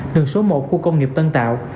đường số một khu công nghiệp tân tạo